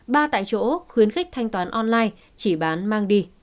ba tại chỗ khuyến khích thanh toán online chỉ bán mang đi